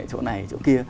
chỗ này chỗ kia